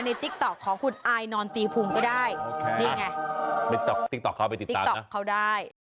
ในติ๊กต๊อกของคุณอายนอนตีภูมิก็ได้นี่ไงติ๊กต๊อกเขาไปติดตามนะติ๊กต๊อกเขาได้